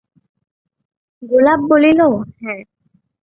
গোপাল বলিল, হ্যাঁ।